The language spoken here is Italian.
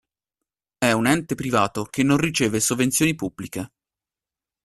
È un ente privato che non riceve sovvenzioni pubbliche.